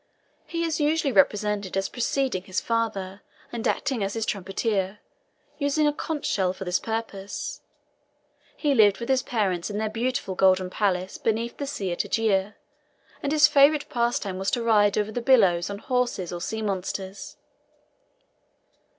He is usually represented as preceding his father and acting as his trumpeter, using a conch shell for this purpose. He lived with his parents in their beautiful golden palace beneath the sea at Ægea, and his favourite pastime was to ride over the billows on horses or sea monsters.